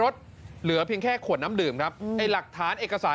กล้องหน้ารถน่ะหรอ